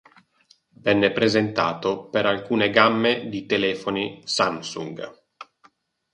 Venne presentato per alcune gamme dei telefoni Samsung.